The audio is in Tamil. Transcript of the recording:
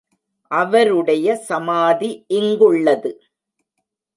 அவருடைய சமாதி இங்குள்ளது.